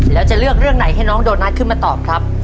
แล้วจะเลือกเรื่องไหนให้น้องโดนัทขึ้นมาตอบครับ